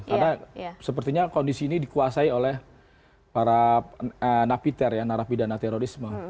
karena sepertinya kondisi ini dikuasai oleh para napiter ya narapidana terorisme